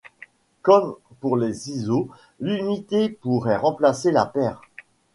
Comme pour les ciseaux, l'unité pourrait remplacer la paire.